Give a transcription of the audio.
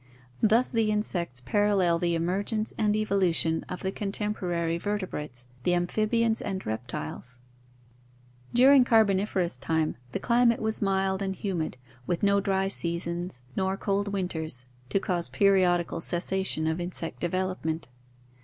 Thus the insects parallel the emergence and evolution of the contemporary vertebrates, the amphibians and reptiles (see Chapter XXIX). During Carboniferous time, the climate was mild and humid, with no dry seasons nor cold winters to cause periodical cessation . of insect development.